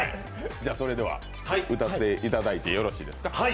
それでは歌っていただいてよろしいですか。